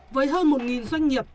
với hơn một doanh nghiệp